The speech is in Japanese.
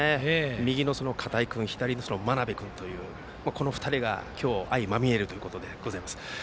右の片井君左の真鍋君という２人が今日、相まみえるということです。